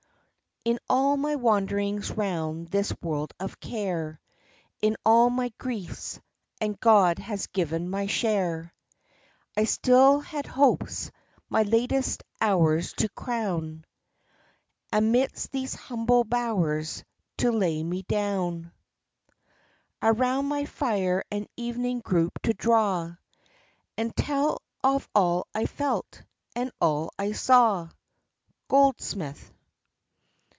"In all my wanderings round this world of care, In all my griefs—and God has given my share— I still had hopes, my latest hours to crown, Amidst these humble bowers to lay me down; Around my fire an evening group to draw, And tell of all I felt, and all I saw." —GOLDSMITH.